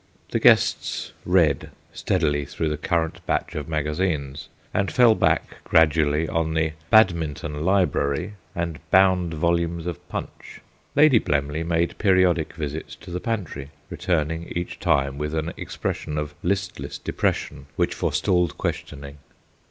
The guests read steadily through the current batch of magazines, and fell back gradually, on the "Badminton Library" and bound volumes of PUNCH. Lady Blemley made periodic visits to the pantry, returning each time with an expression of listless depression which forestalled questioning.